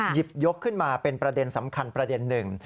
หยิบยกขึ้นมาเป็นประเด็นสำคัญประเด็นหนึ่ง